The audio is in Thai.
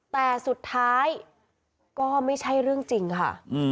แต่สุดท้ายก็ไม่ใช่เรื่องจริงค่ะ